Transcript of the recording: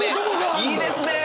いいですねえ！